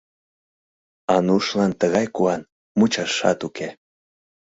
Анушлан тыгай куан — мучашат уке.